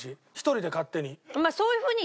１人で勝手に。